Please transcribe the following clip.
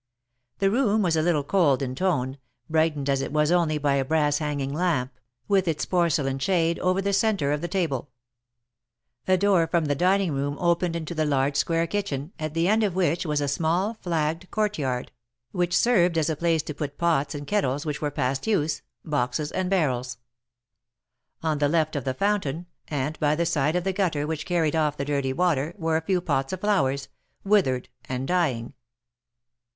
The room was a little cold in tone, brightened as it was only by a brass hanging lamp, with its porcelain shade, over the centre of the table. A 76 THE MARKETS OF PARIS. door from the dining room opened into the large square kitchen, at the end of which was a small, flagged court yard, which served as a place to put pots and kettles which were past use — boxes and barrels. On the left of the fountain, and by the side of the gutter which carried off* the dirty water, were a few pots of flowers, withered and dying.